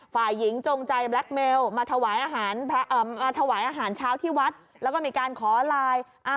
ฝ่ายหญิงจงใจแบล็คเมลมาถวายอาหารถวายอาหารเช้าที่วัดแล้วก็มีการขอไลน์